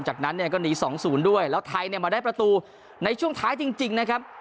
จากนั้นเนี่ยก็หนี๒๐ด้วยแล้วไทยเนี่ยมาได้ประตูในช่วงท้ายจริงนะครับ